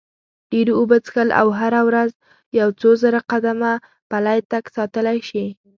ډېرې اوبه څښل او هره ورځ یو څو زره قدمه پلی تګ ساتلی شي.